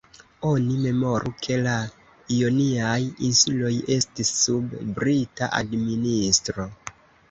Oni memoru, ke la Ioniaj insuloj estis sub Brita administro.